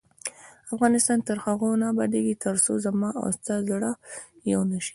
افغانستان تر هغو نه ابادیږي، ترڅو زما او ستا زړه یو نشي.